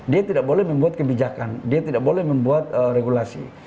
dia tidak boleh membuat kebijakan dia tidak boleh membuat regulasi